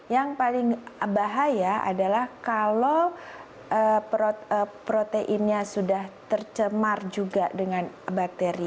yang paling bahaya adalah kalau proteinnya sudah tercemar juga dengan bakteri